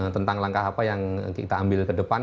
tentang langkah apa yang kita ambil ke depan